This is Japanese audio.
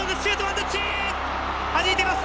はじいてます。